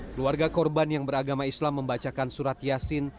keluarga korban yang beragama islam membacakan surat yasin